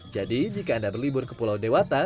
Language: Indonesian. jadi jika anda berlibur ke pulau dewata